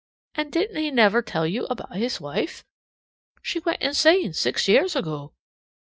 "And didn't he never tell you about his wife? She went insane six years ago.